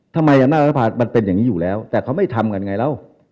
ทำไมอามากราบป่ะมันเป็นอย่างนี้อยู่แล้วแต่เขาไม่ทำกันไงเรา